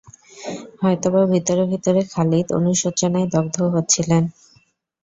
হয়তোবা ভিতরে ভিতরে খালিদ অনুশোচনায় দগ্ধও হচ্ছিলেন।